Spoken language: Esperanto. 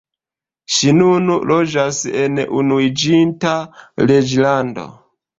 Ŝi nun loĝas en Unuiĝinta Reĝlando.